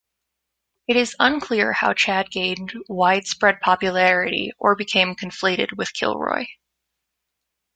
It is unclear how Chad gained widespread popularity or became conflated with Kilroy.